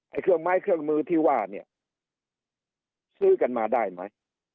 เครื่องไม้เครื่องมือที่ว่าเนี่ยซื้อกันมาได้ไหม